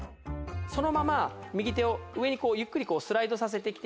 そのまま右手を上にゆっくりこうスライドさせてきて。